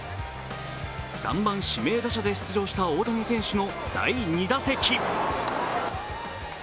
３番・指名打者で出場した大谷選手の第２打席。